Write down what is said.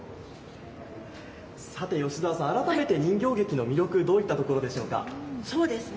吉澤さん、改めて人形劇の魅力、どういったところがあるでしょうか。